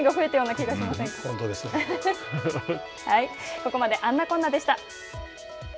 ここまで「あんなこんな」でした。